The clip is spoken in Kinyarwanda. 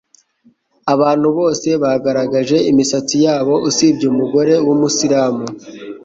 Abantu bose bagaragaje imisatsi yabo usibye umugore w’umusiramu